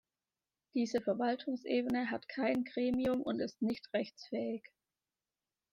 Diese Verwaltungsebene hat kein Gremium und ist nicht rechtsfähig.